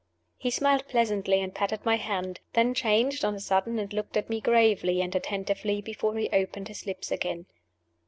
He smiled pleasantly, and patted my hand then changed on a sudden, and looked at me gravely and attentively before he opened his lips again.